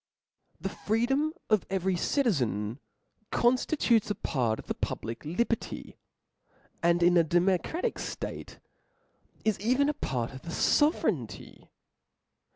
. The freedom of every citizen conftitutes a part of the public li berty ; and in a democracical (late is even a part of the fovereignty.